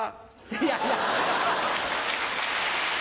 いやいや。